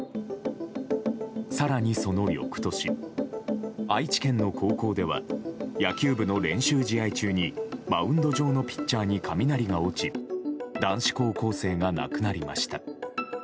更に、その翌年愛知県の高校では野球部の練習試合中にマウンド上のピッチャーに雷が落ち男子高校生が亡くなりました。